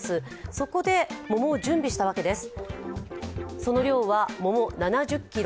そこで桃を準備したわけです。